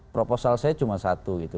proposal saya cuma satu gitu